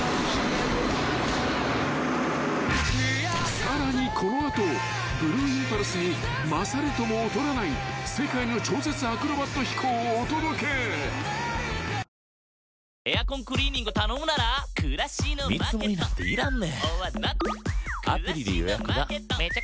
［さらにこの後ブルーインパルスに勝るとも劣らない世界の超絶アクロバット飛行をお届け］叫びたくなる緑茶ってなんだ？